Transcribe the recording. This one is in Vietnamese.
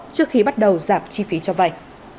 trước khi bắt đầu giảm chi phí cho vay